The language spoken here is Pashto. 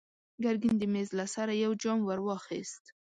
ګرګين د مېز له سره يو جام ور واخيست.